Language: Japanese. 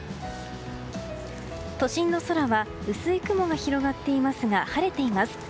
都心の空は薄い雲が広がっていますが晴れています。